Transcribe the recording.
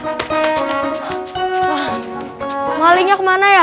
wah malingnya kemana ya